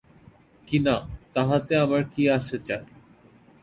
কিনা, তাহাতে আমার কি আসে যায়?